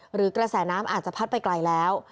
หรือกระแสน้ำอาจจะพัดไปไกลแล้ว